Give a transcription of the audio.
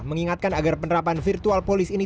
mengingatkan agar penerapan virtual polis ini